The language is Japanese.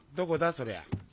そりゃ。